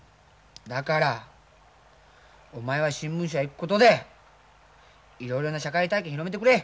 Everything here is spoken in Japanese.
だからお前は新聞社へ行くことでいろいろな社会体験広めてくれ。